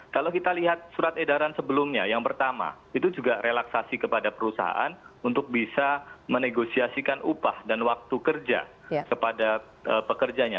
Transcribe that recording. kalau kita lihat surat edaran sebelumnya yang pertama itu juga relaksasi kepada perusahaan untuk bisa menegosiasikan upah dan waktu kerja kepada pekerjanya